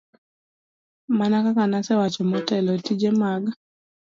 Mana kaka ne asewacho motelo, tije mag